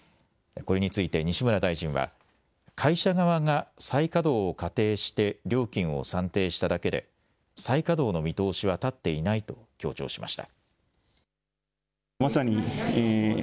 これについて西村大臣は会社側が再稼働を仮定して料金を算定しただけで再稼働の見通しは立っていないと強調しました。